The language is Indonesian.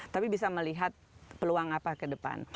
tapi bisa melihat peluang apa ke depan